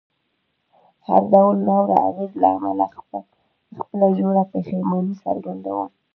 د هر ډول ناوړه اغېز له امله خپله ژوره پښیماني څرګندوم.